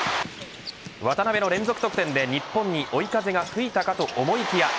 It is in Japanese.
渡邊の連続得点で日本に追い風が吹いたかと思いきや